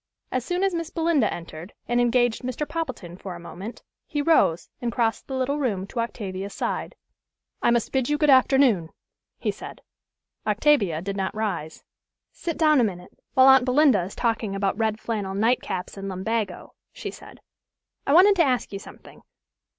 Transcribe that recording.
As soon as Miss Belinda entered, and engaged Mr. Poppleton for a moment, he rose, and crossed the little room to Octavia's side. "I must bid you good afternoon," he said. Octavia did not rise. "Sit down a minute, while aunt Belinda is talking about red flannel nightcaps and lumbago," she said. "I wanted to ask you something.